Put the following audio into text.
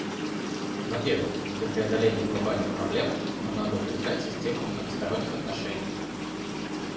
Во-первых, для преодоления глобальных проблем нам надо укреплять систему многосторонних отношений.